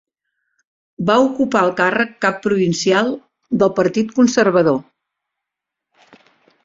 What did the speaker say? Va ocupar el càrrec cap provincial del Partit Conservador.